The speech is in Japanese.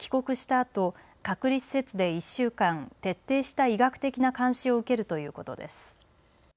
あと隔離施設で１週間、徹底した医学的な監視を受けるということです。